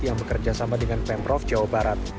yang bekerja sama dengan pemprov jawa barat